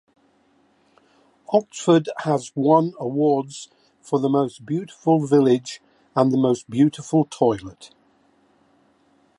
Oxford has won awards for the most beautiful village and the most beautiful toilet.